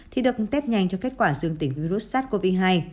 thì được tết nhanh cho kết quả dương tính virus sars cov hai